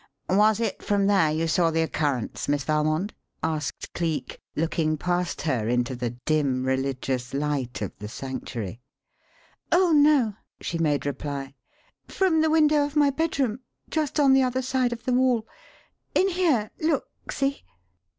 "Was it from there you saw the occurrence, Miss Valmond?" asked Cleek, looking past her into "the dim religious light" of the sanctuary. "Oh, no," she made reply. "From the window of my bedroom, just on the other side of the wall. In here, look, see!"